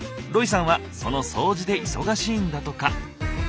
ロイさんはその掃除で忙しいんだとか。